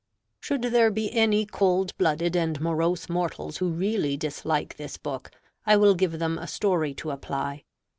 Should there be any cold blooded and morose mortals who really dislike this book, I will give them a story to apply.